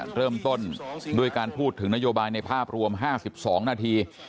เริ่มต้นด้วยการพูดถึงนโยบายในภาพรวม๕๒นาที